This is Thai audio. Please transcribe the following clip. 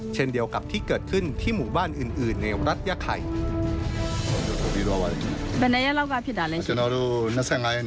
เช่นเดียวกับที่เกิดขึ้นที่หมู่บ้านอื่นในรัฐยาไข่